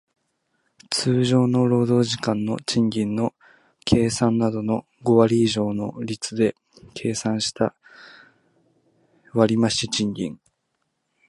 通常の労働時間の賃金の計算額の五割以上の率で計算した割増賃金